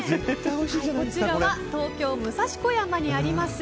こちらは東京・武蔵小山にあります